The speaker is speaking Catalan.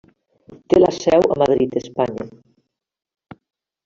Té la seu a Madrid, Espanya.